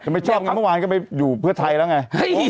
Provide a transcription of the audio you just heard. จะไม่ชอบมาเมื่อวานเดี๋ยวไปอยู่เพื่อไทยแล้วไง